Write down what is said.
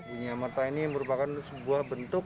bunyi amerta ini merupakan sebuah bentuk